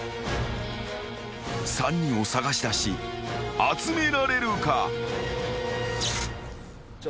［３人を捜し出し集められるか？］